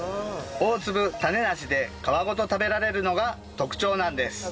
大粒種なしで皮ごと食べられるのが特徴なんです。